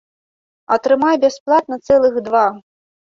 Атрымай бясплатна цэлых два!